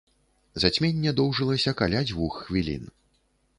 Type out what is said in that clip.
Зацьменне доўжылася каля дзвюх хвілін.